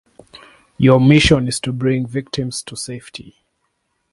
Your mission is to bring the victims to safety.